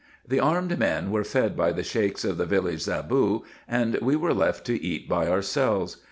The armed men were fed by the Sheiks of the village Zaboo, and we were left to eat by ourselves.